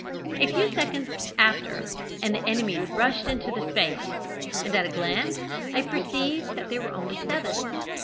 A few seconds after, and the enemy rushed into the space, and at a glance I perceived that there were only seven.